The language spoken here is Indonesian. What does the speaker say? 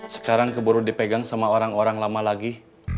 sekarang keburu dipegang sama orang orang lama lagi